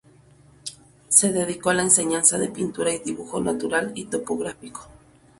Se dedicó a la enseñanza de pintura y dibujo natural y topográfico.